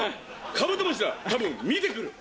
カブトムシだ多分見て来る！